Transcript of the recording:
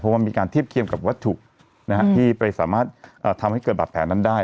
เพราะว่ามีการเทียบเคียงกับวัตถุที่ไปสามารถทำให้เกิดบาดแผลนั้นได้